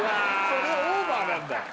そりゃオーバーなんだよ